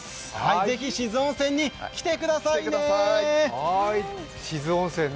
ぜひ志津温泉に来てくださいね。